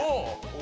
お。